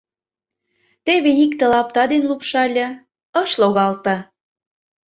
Теве икте лапта ден лупшале — ыш логалте.